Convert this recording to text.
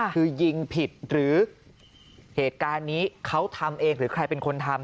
คือยิงผิดหรือเหตุการณ์นี้เขาทำเองหรือใครเป็นคนทำ